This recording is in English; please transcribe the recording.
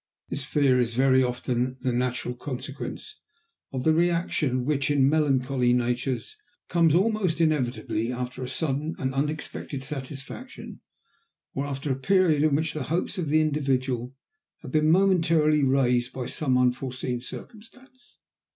This fear is very often the natural consequence of the reaction which, in melancholy natures, comes almost inevitably after a sudden and unexpected satisfaction or after a period in which the hopes of the individual have been momentarily raised by some unforeseen circumstance.